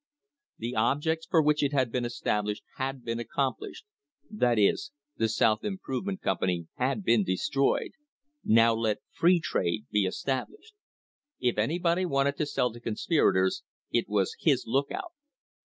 The objects for which it had been established had been accomplished — that is, the South Improvement Company had been destroyed — now let free trade be estab lished. If anybody wanted to sell to "conspirators," it was his lookout.